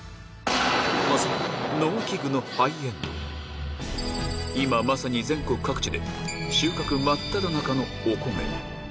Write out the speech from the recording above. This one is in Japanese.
まずは今まさに全国各地で収穫真っただ中のお米